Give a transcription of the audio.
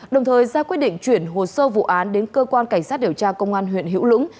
đồng thời ra quyết định chuyển hồ sơ vụ án đến cơ quan cảnh sát điều tra công an huyện hữu lũng